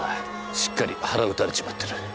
しっかり腹撃たれちまってる。